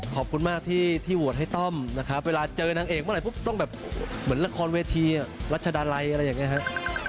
ขอบคุณมากที่โหวตให้ต้อมนะครับเวลาเจอนางเอกเมื่อไหปุ๊บต้องแบบเหมือนละครเวทีรัชดาลัยอะไรอย่างนี้ครับ